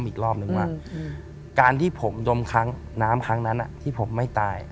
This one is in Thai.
อีกรอบนึงว่าการที่ผมดมน้ำครั้งนั้นที่ผมไม่ตาย